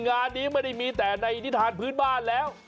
งานนี้ไม่ได้มีแต่ในนิทานพื้นบ้านแล้ว